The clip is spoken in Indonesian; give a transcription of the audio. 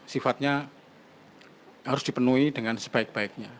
sifatnya harus dipenuhi dengan sebaik baiknya